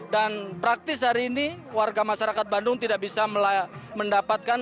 dan praktis hari ini warga masyarakat bandung tidak bisa mendapatkan